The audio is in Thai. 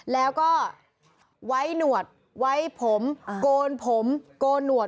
แล้วก็ไว้หนวดไว้ผมโกนผมโกนหนวด